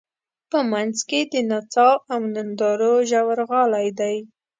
په منځ کې د نڅا او نندارو ژورغالی دی.